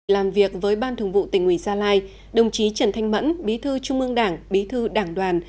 làm việc với ban thường vụ tỉnh ủy gia lai đồng chí trần thanh mẫn bí thư trung ương đảng bí thư đảng đoàn